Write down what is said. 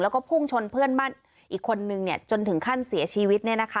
แล้วก็พุ่งชนเพื่อนบ้านอีกคนนึงจนถึงขั้นเสียชีวิต